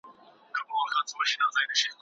تاسو باید هره ورځ نوي کوډونه ولیکئ.